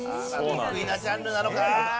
得意なジャンルなのか。